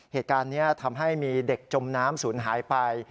เหตุการณ์นี้ทำให้มีเด็กจมน้ำศูนย์หายไป